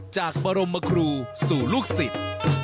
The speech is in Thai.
จากบรมครูสู่ลูกศิษย์